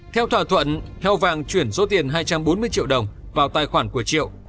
theo thỏa thuận heo vàng chuyển số tiền hai trăm bốn mươi triệu đồng vào tài khoản của triệu